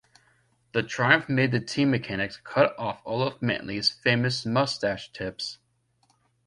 The triumph made the team mechanics cut off Olaf Manthey's famous moustache tips.